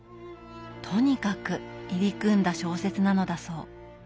とにかく入り組んだ小説なのだそう。